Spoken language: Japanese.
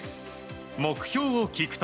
目標を聞くと。